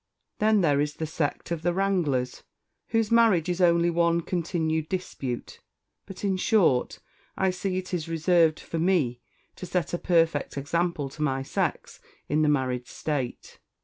Then there is the sect of the Wranglers, whose marriage is only one continued dispute. But, in short, I see it is reserved for me to set a perfect example to my sex in the married state.